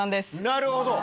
なるほど！